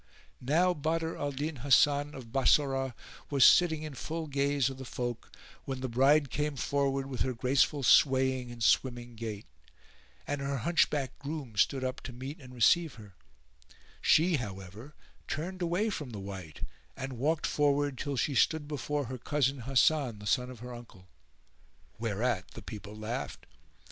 Now Badr al Din Hasan of Bassorah was sitting in full gaze of the folk, when the bride came forward with her graceful swaying and swimming gait, and her hunchbacked groom stood up to meet [FN#411] and receive her: she, however, turned away from the wight and walked forward till she stood before her cousin Hasan, the son of her uncle. Whereat the people laughed.